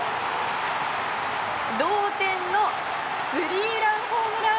同点のスリーランホームラン。